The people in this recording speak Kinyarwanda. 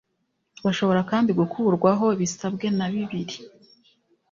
bashobora kandi gukurwaho bisabwe na bibiri